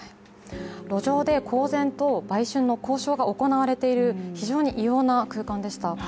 路上で公然と売春の交渉が行われている非常に異様な空間でした。